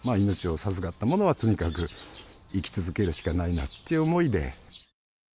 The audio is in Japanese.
命を授かった者は、とにかく生き続けるしかないなっていう思いで。